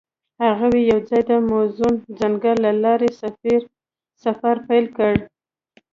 هغوی یوځای د موزون ځنګل له لارې سفر پیل کړ.